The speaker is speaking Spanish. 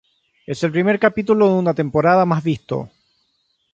Es el primer capítulo de una temporada más visto.